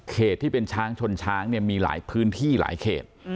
ที่เป็นช้างชนช้างเนี่ยมีหลายพื้นที่หลายเขต